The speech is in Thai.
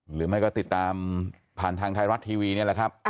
หรือไม่ก็ติดตามผ่านทางไทยรัฐทีวีนี่แหละครับ